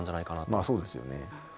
まあそうですよね。